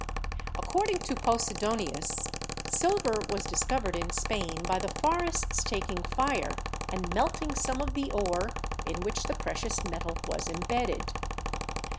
Accord ing to Posidonius, silver was discovered in Spain by the forests taking fire and melting some of the ore in which the precious metal was imbedded.